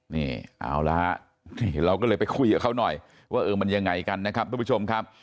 นี่เอาละฮะนี่เราก็เลยไปคุยกับเขาหน่อยว่าเออมันยังไงกันนะครับทุกผู้ชมครับ